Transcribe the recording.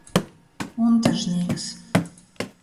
Untažnīks.